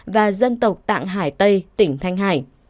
và dân tộc tạng hải tây tỉnh thanh hải